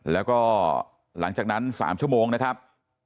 แล้วก็หลังจากนั้น๓ชั่วโมงนะครับ